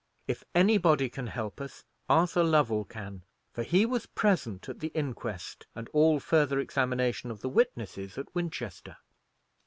If any body can help us, Arthur Lovell can; for he was present at the inquest and all further examination of the witnesses at Winchester."